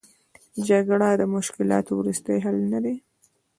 جګړه د مشکلاتو وروستۍ حل نه دی.